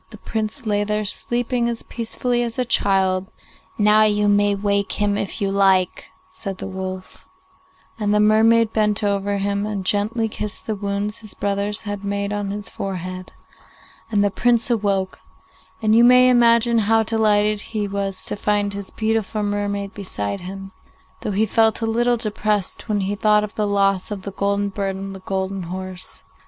the Prince lay there sleeping as peacefully as a child. 'Now you may wake him if you like,' said the wolf, and the mermaid bent over him and gently kissed the wounds his brothers had made on his forehead, and the Prince awoke, and you may imagine how delighted he was to find his beautiful mermaid beside him, though he felt a little depressed when he thought of the loss of the golden bird and the golden horse.